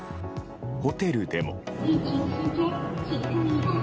ホテルでも。